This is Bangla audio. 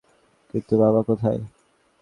কিন্তু, বাবা কোথায়?